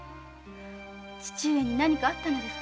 父上に何かあったのですか？